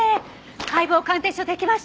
解剖鑑定書出来ました？